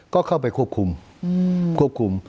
ก็เข้าไปควบคุม